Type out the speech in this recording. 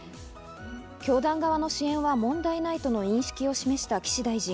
教団側の支援は問題ないとの認識を示した岸大臣。